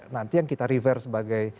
nanti yang kita refer sebagai